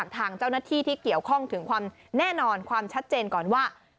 ทางเจ้าหน้าที่ที่เกี่ยวข้องถึงความแน่นอนความชัดเจนก่อนว่า